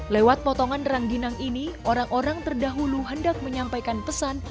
lewat potongan rangginang ini orang orang terdahulu hendak menyampaikan pesan